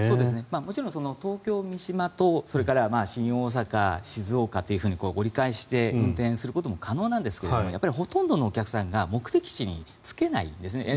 もちろん東京三島と新大阪静岡というふうに折り返して運転することも可能なんですがほとんどのお客さんが目的地に着けないんですね。